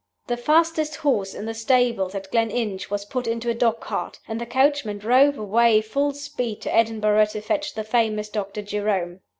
"The fastest horse in the stables at Gleninch was put into a dog cart, and the coachman drove away full speed to Edinburgh to fetch the famous Doctor Jerome.